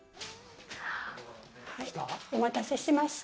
お待たせしました。